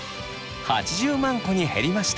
８０万個に減りました。